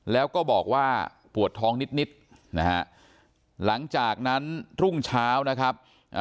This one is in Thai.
แล้วก็บอกว่าปวดท้องนิดนะฮะหลังจากนั้นรุ่งเช้านะครับ